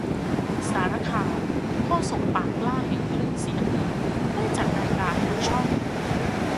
สารคาม โฆษกปากกล้าแห่งคลื่นสีน้ำเงิน ได้จัดรายการทั้งช่อง